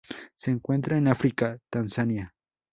Se encuentra en África: Tanzania.